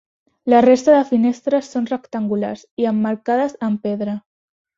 La resta de finestres són rectangulars i emmarcades amb pedra.